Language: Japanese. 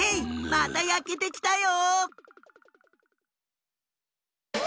またやけてきたよ！